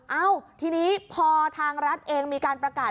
เอ้าทีนี้พอทางรัฐเองมีการประกาศ